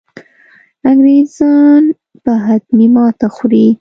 انګرېزان به حتمي ماته خوري.